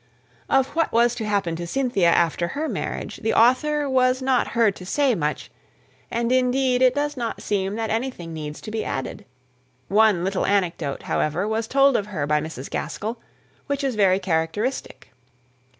Of what was to happen to Cynthia after her marriage the author was not heard to say much; and, indeed, it does not seem that anything needs to be added. One little anecdote, however, was told of her by Mrs. Gaskell, which is very characteristic.